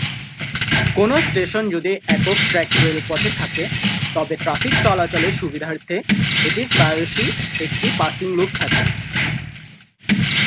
কোনও স্টেশন যদি একক-ট্র্যাক রেলপথে থাকে তবে ট্র্যাফিক চলাচলের সুবিধার্থে এটির প্রায়শই একটি পাসিং লুপ থাকে।